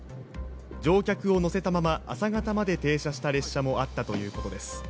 乗客を乗せたまま朝方まで停車した列車もあったということです。